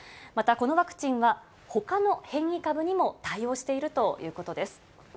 またこのワクチンは、ほかの変異株にも対応しているということです。